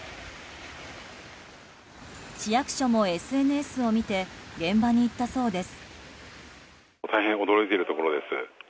市役所もＳＮＳを見て現場に行ったそうです。